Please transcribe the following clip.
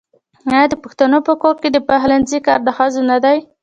آیا د پښتنو په کور کې د پخلنځي کار د ښځو نه دی؟